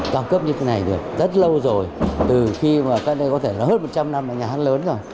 to cấp như thế này được rất lâu rồi từ khi có thể hớt một trăm linh năm là nhà hát lớn rồi